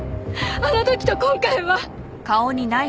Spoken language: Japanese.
あの時と今回は！